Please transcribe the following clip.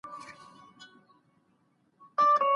موږ به له کړکۍ څخه ډبره چاڼ نه کړو.